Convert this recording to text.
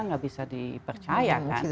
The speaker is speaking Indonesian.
nggak bisa dipercayakan